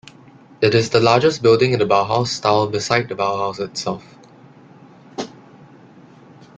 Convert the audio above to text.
It is the largest building in the Bauhaus style besides the Bauhaus itself.